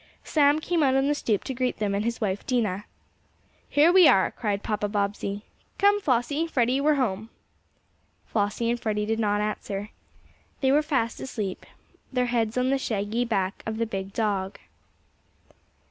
Sam came out on the stoop to greet them and his wife Dinah. "Here we are!" cried Papa Bobbsey. "Come, Flossie Freddie we're home." Flossie and Freddie did not answer. They were fast asleep, their heads on the shaggy back of the big dog.